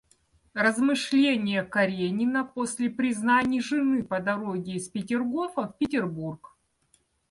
Размышления Каренина после признаний жены по дороге из Петергофа в Петербург.